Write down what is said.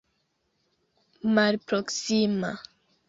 malproksima